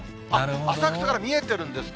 浅草から見えてるんですね。